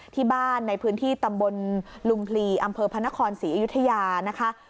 ที่บ้านในพื้นที่ตำบลลุงพลีอำเภอพระนครศรีอยุธยานะคะ